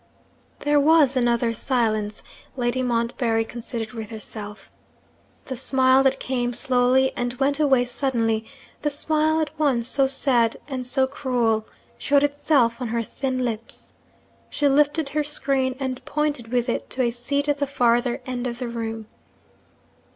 There was another silence. Lady Montbarry considered with herself. The smile that came slowly and went away suddenly the smile at once so sad and so cruel showed itself on her thin lips. She lifted her screen, and pointed with it to a seat at the farther end of the room.